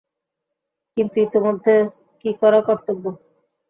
কিন্তু ইতিমধ্যে কী করা কর্তব্য।